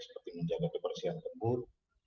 seperti menjaga kebersihan kembur